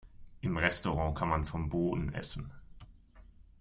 Im Restaurant kann man vom Boden essen.